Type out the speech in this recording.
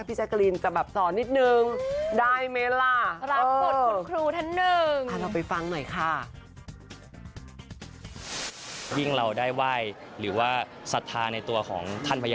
นี่ค่ะน้ำแดดเลยค่ะ